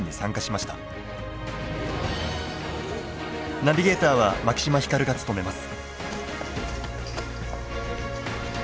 ナビゲーターは牧島輝が務めます。